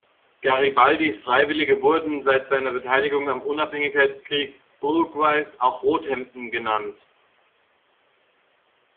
Garibaldis Freiwillige wurden seit seiner Beteiligung am Unabhängigkeitskrieg Uruguays auch „Rothemden“ genannt.